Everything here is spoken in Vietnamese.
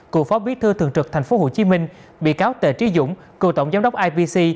cựu phó bí thư thường trực tp hcm bị cáo tề trí dũng cựu tổng giám đốc ipc